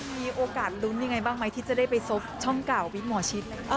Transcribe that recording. มีโอกาสลุ้นยังไงบ้างไหมที่จะได้ไปซบช่องเก่าวิกหมอชิด